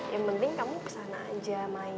yang penting kamu kesana aja main